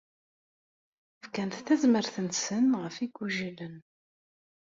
Fkant tazmert-nsent ɣef igujilen.